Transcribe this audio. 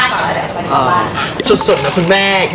ส่วนชุดสดนะคือแม่